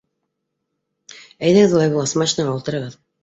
Әйҙәгеҙ, улай булғас машинаға ултырығыҙ.